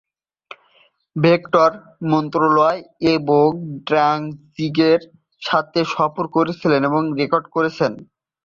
Victor মন্ত্রণালয় এবং ড্যানজিগের সাথে সফর করেছেন এবং রেকর্ড করেছেন।